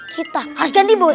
kita harus ganti bos